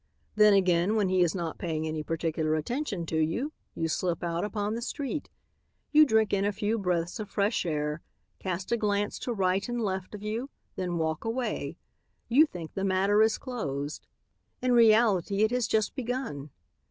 Then again, when he is not paying any particular attention to you, you slip out upon the street. You drink in a few breaths of fresh air, cast a glance to right and left of you, then walk away. You think the matter is closed. In reality it has just begun.